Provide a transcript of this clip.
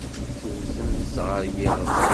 Tewtemt-t ɣer yiɣef.